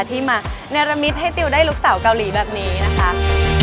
ที่มาเนรมิตให้ติวได้ลูกสาวเกาหลีแบบนี้นะคะ